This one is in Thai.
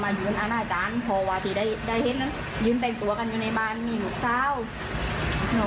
มันก็มองพัดหมาแบบนี้เลย